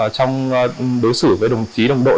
trong đối xử với đồng chí đồng đội